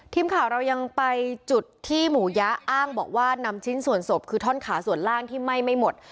ทีมข่าวเรายังไปจุดที่หมูยะอ้างบอกว่านำชิ้นส่วนศพคือท่อนขาส่วนล่างที่ไหม้ไม่หมด